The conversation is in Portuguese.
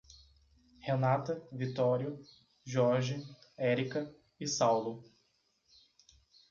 Renata, Vitório, George, Érica e Saulo